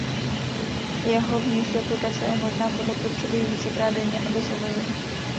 Jeho vnější aplikace je možná podle potřeby i vícekrát denně a bez omezení.